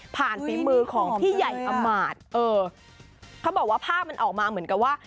ฝีมือของพี่ใหญ่อำมาตย์เออเขาบอกว่าภาพมันออกมาเหมือนกับว่า